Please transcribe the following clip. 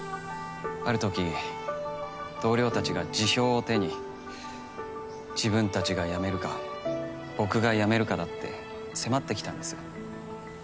あるとき同僚たちが辞表を手に自分たちが辞めるか僕が辞めるかだって迫ってきたんです。